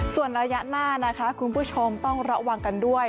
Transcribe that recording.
ส่วนระยะหน้านะคะคุณผู้ชมต้องระวังกันด้วย